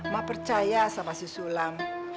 mah percaya sama si sulam